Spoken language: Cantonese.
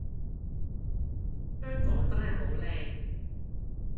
香港真係好靚